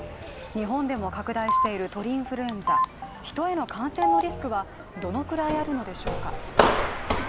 日本でも拡大している鳥インフルエンザヒトへの感染のリスクはどのくらいあるのでしょうか。